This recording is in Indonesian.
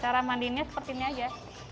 cara mandinya seperti ini aja